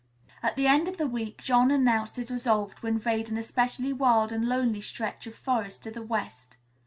At the end of the week, Jean announced his resolve to invade an especially wild and lonely stretch of forest to the west.